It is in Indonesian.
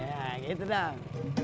ya gitu dong